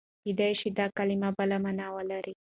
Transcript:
کېدای شي دا کلمه بله مانا ولري.